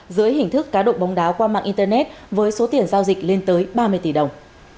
dưới hình thức cá độ bóng đá qua mạng internet với số tiền giao dịch lên tới ba mươi tỷ đồng